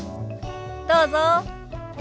どうぞ。